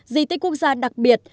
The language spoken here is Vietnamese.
di tích quốc gia đặc biệt